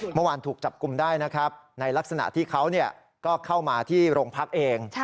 เมื่อวานถูกจับกลุ่มได้นะครับในลักษณะที่เขาก็เข้ามาที่โรงพักเอง